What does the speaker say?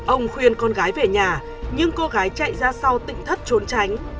ông khuyên con gái về nhà nhưng cô gái chạy ra sau tỉnh thất trốn tránh